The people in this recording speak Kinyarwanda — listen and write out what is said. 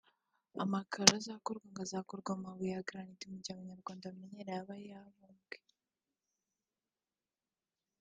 Amakaro azakorwa ngo azakorwa mu mabuye ya granite mu gihe ayo Abanyarwanda bamenyereye aba yabumbwe